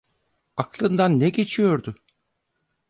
Aklından ne geçiyordu?